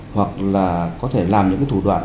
hoặc là có thể làm những thủ đoạn